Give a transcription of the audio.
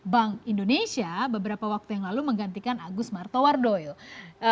bank indonesia beberapa waktu yang lalu menggantikan agus martowardoyo